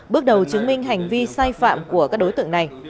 bước đầu chứng minh hành vi sai phạm của các đối tượng này